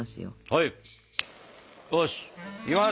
はい。